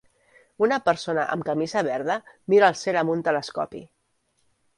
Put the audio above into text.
Una persona amb camisa verda mira al cel amb un telescopi.